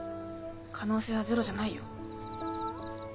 可能性はゼロじゃないよ。